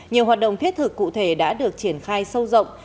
nhiều hoạt động thiết thực cụ thể đã được triển khai sâu rộng